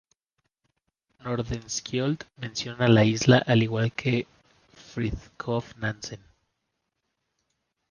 Nordenskiöld menciona la isla al igual que Fridtjof Nansen.